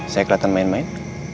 saya keliatan main main